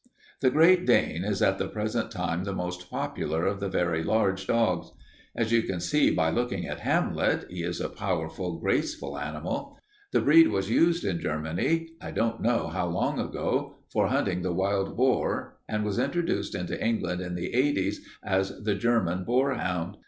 "The Great Dane is at the present time the most popular of the very large dogs. As you can see by looking at Hamlet, he is a powerful, graceful animal. The breed was used in Germany, I don't know how long ago, for hunting the wild boar and was introduced into England in the '80's as the German boarhound.